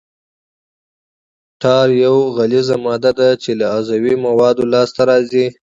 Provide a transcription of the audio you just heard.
ټار یوه غلیظه ماده ده چې له عضوي موادو لاسته راځي